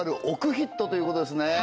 億ヒットということですね